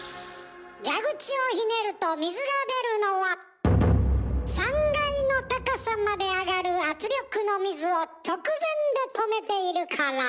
蛇口をひねると水が出るのは３階の高さまで上がる圧力の水を直前で止めているから。